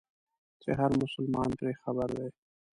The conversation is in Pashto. چې هر مسلمان پرې خبر دی.